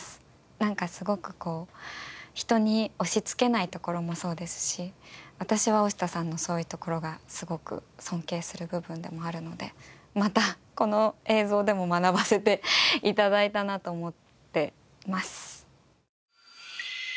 なんかすごくこう人に押しつけないところもそうですし私は大下さんのそういうところがすごく尊敬する部分でもあるのでまたこの映像でも学ばせて頂いたなと思ってます。